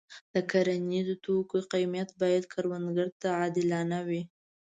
د کرنیزو توکو قیمت باید کروندګر ته عادلانه وي.